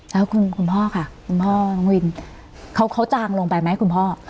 แล้วคุณพ่อค่ะคุณพ่อน้องวินเขาจางลงไปไหมคุณพ่อ